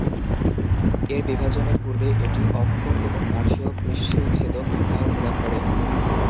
এর বিভাজনের পূর্বে এটি "অক্ষর" এবং "পার্শ্বীয় পৃষ্ঠীয় ছেদক" স্নায়ু প্রদান করে।